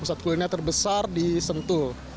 pusat kuliner terbesar di sentul